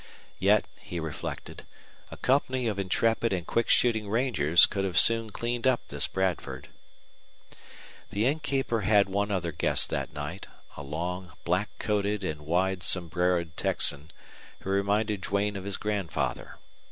Yet, he reflected, a company of intrepid and quick shooting rangers could have soon cleaned up this Bradford. The innkeeper had one other guest that night, a long black coated and wide sombreroed Texan who reminded Duane of his grandfather.